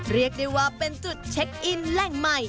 เรียกได้ว่าเป็นจุดเช็คอินแหล่งใหม่